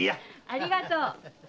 ありがとう。